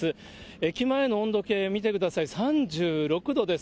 駅前の温度計、見てください、３６度です。